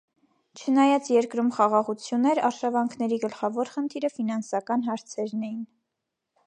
Չնայած երկրում խաղաղություն էր, արշավանքների գլխավոր խնդիրը ֆինանսական հարցերն էին։